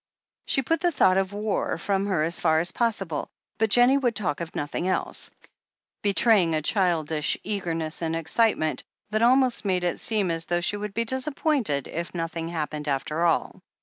She put the thought of war from her as far as pos sible, but Jennie would talk of nothing else, betraying a childish eagerness and excitement that almost made it seem as though she would be disappointed if nothing happened after all.